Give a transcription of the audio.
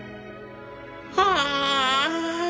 はあ